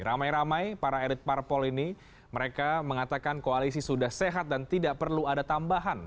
ramai ramai para elit parpol ini mereka mengatakan koalisi sudah sehat dan tidak perlu ada tambahan